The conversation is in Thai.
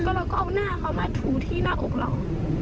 เราก็เอาหน้าเขามาถูที่หน้าอกเรา